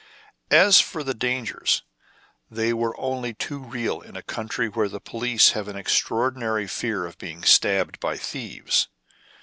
^ As for the dangers, they were only too real in a country where the police have an extraordinary fear of being stabbed by thieves.